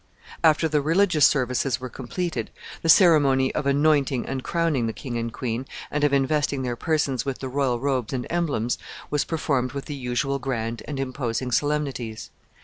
After the religious services were completed, the ceremony of anointing and crowning the king and queen, and of investing their persons with the royal robes and emblems, was performed with the usual grand and imposing solemnities.